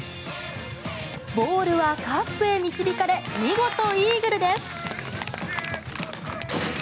ボールはカップへ導かれ見事イーグルです。